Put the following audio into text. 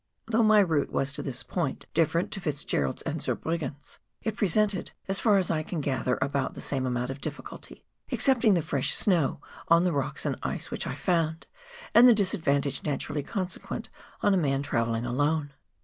Though my route was to this point different to Fitzgerald's and Zurbriggen' s, it presented, as far as I can gather, about the same amount of difficulty, excepting the fresh snow on the rocks and ice which I found, and the disadvantage naturally consequent on a man travelling alone.